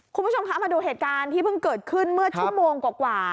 คุณผู้ชมคะมาดูเหตุการณ์ที่เพิ่งเกิดขึ้นเมื่อชั่วโมงกว่า